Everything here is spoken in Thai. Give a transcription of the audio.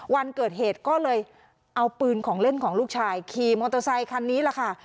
วันเกิดเหตุก็เลยเอาปืนของเล่นของลูกชายขี่มอเตอร์ไซคันนี้แหละค่ะ